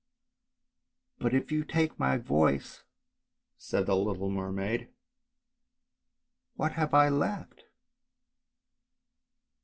" But if you take my voice." said the little mermaid, " what have I left?